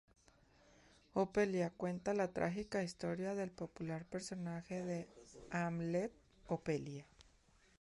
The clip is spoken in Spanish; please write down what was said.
Ophelia cuenta la trágica historia del popular personaje de Hamlet, ophelia.